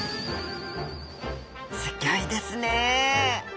すギョいですね！